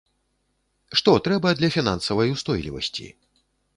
Што трэба для фінансавай устойлівасці?